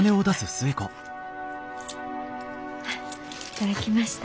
頂きました。